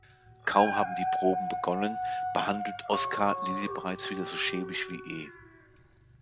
Kaum haben die Proben begonnen, behandelt Oscar Lily bereits wieder so schäbig wie eh.